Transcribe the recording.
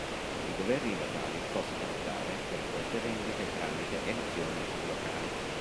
I governi locali possono optare per queste vendite tramite elezioni "locali".